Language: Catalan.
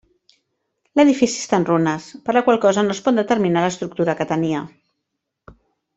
L'edifici està en runes, per la qual cosa no es pot determinar l'estructura que tenia.